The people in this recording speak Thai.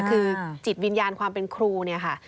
คือจิตวิญญาณความเป็นครูเนี่ยค่ะ